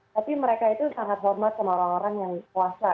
tapi mereka itu sangat hormat sama orang orang yang puasa